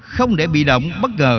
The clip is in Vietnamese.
không để bị động bất ngờ